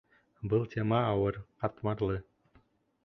Был тема ауыр, ҡатмарлы.